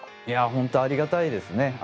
いやほんとありがたいですね。